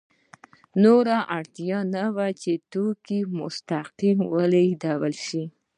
نور اړتیا نه وه چې د توکو مستقیم لېږد وشي